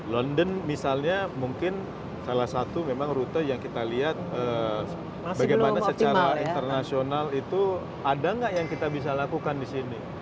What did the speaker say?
london misalnya mungkin salah satu memang rute yang kita lihat bagaimana secara internasional itu ada nggak yang kita bisa lakukan di sini